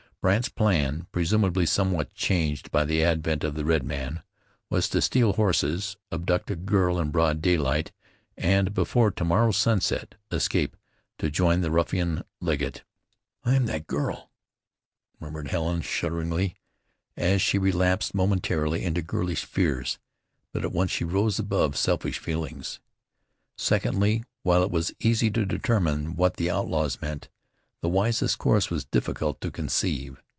Brandt's plan, presumably somewhat changed by the advent of the red man, was to steal horses, abduct a girl in broad daylight, and before tomorrow's sunset escape to join the ruffian Legget. "I am the girl," murmured Helen shudderingly, as she relapsed momentarily into girlish fears. But at once she rose above selfish feelings. Secondly, while it was easy to determine what the outlaws meant, the wisest course was difficult to conceive.